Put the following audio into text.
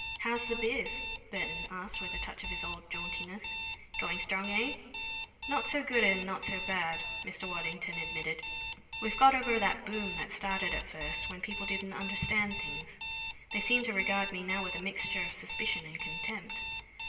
"How's the biz?" Burton asked with a touch of his old jauntiness. "Going strong, eh?" "Not so good and not so bad," Mr. Waddington admitted. "We've got over that boom that started at first when people didn't understand things. They seem to regard me now with a mixture of suspicion and contempt.